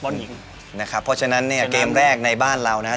บอลหญิงนะครับเพราะฉะนั้นเนี่ยเกมแรกในบ้านเรานะครับ